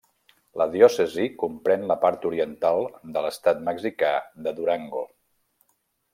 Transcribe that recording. La diòcesi comprèn la part oriental de l'estat mexicà de Durango.